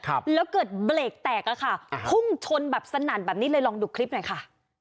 ครับแล้วเกิดเบรกแตกอะค่ะพุ่งชนแบบสนั่นแบบนี้เลยลองดูคลิปหน่อยค่ะ